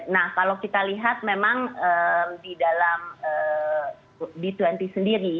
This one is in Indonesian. nah kalau kita lihat memang di dalam b dua puluh sendiri